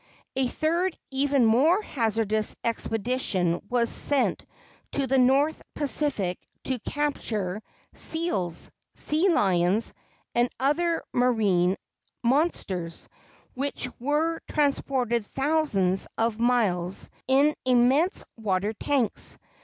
A third even more hazardous expedition was sent to the North Pacific to capture seals, sea lions, and other marine monsters, which were transported thousands of miles in immense water tanks.